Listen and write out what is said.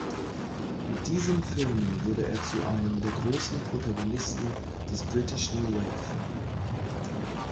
Mit diesen Filmen wurde er zu einem der großen Protagonisten des British New Wave.